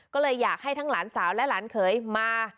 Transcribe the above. ก็เลยอยากให้ทั้งหลานสาวและหลานเขยมา